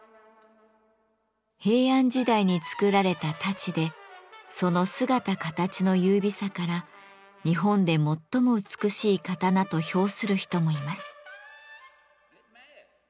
平安時代に作られた太刀でその姿形の優美さから日本で最も美しい刀と評する人もいます。